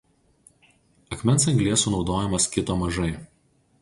Akmens anglies sunaudojimas kito mažai.